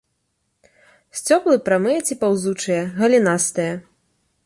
Сцёблы прамыя ці паўзучыя, галінастыя.